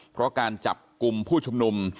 เพราะการจับกลุ่มผู้ชุมนุม